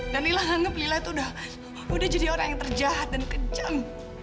dan nila nganggep nila tuh udah jadi orang yang terjahat dan kejam